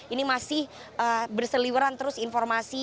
ini masih berseliweran terus informasi